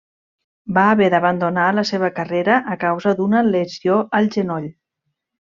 Va haver d'abandonar la seva carrera a causa d'una lesió al genoll.